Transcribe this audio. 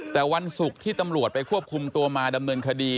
แต่วันศุกร์ที่ตำรวจไปควบคุมตัวมาดำเนินคดี